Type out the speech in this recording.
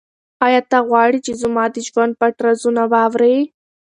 آیا ته غواړې چې زما د ژوند پټ رازونه واورې؟